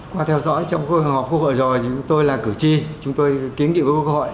qua theo dõi trong kỳ họp quốc hội rồi chúng tôi là cử tri chúng tôi kiến trị với quốc hội